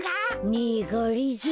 ねえがりぞー。